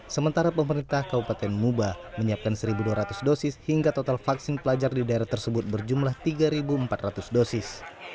sementara pemerintah kabupaten muba menyiapkan satu dua ratus dosis hingga total vaksin pelajar di daerah tersebut berjumlah tiga empat ratus dosis